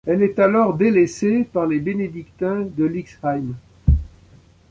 Elle est alors délaissée par les bénédictins de Lixheim.